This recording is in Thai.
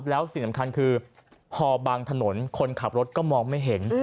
แล้วสิ่งสำคัญคือพอบางถนนคนขับรถก็มองไม่เห็น